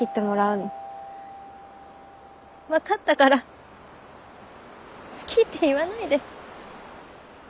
分かったから「好き」って言わないで。